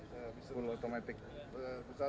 segini alatnya bisa berbentuk otomatik besar ujungnya apa